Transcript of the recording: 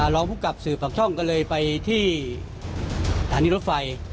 รองพบกับสื่อฝังช่องก็เลยไปที่ฐานีรถไฟ